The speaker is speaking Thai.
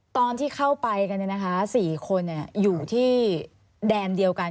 ตอนที่เข้าไปกันเนี่ยนะคะสี่คนเนี่ยอยู่ที่แดนเดียวกัน